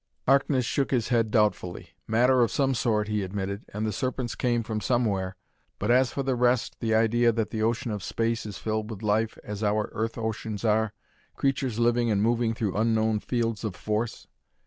Harkness shook his head doubtfully. "Matter of some sort," he admitted, "and the serpents came from somewhere; but, as for the rest, the idea that the ocean of space is filled with life as our Earth oceans are creatures living and moving through unknown fields of force...."